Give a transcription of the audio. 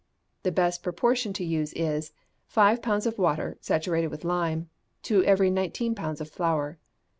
The best proportion to use is, five pounds of water saturated with lime, to every nineteen pounds of flour.